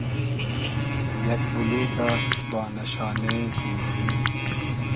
یئگ بولوگۂ بانۂ شانې زیندئگی